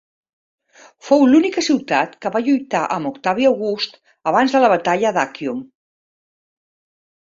Fou l'única ciutat que va lluitar amb Octavi August abans de la batalla d'Àccium.